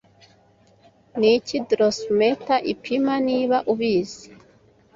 Niki drosomoter ipima niba ubizi